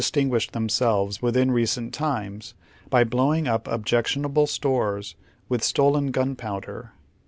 guislied themselves within recent times by blowing up ob jectionable stores with stolen gunpowder.